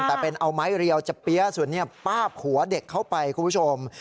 แต่เป็นเอาไม้เรียวจะเปี๊ยะส่วนนี้ป้าบหัวเด็กเข้าไปคุณผู้ชม